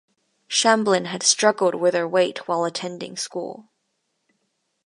Shamblin had struggled with her weight while attending school.